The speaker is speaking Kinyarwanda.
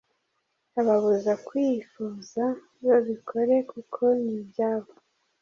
Ababuza kwifuza, babikore kuko ni ibyabo